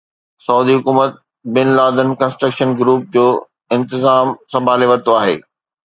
سعودي حڪومت bin Laden construction group جو انتظام سنڀالي ورتو آهي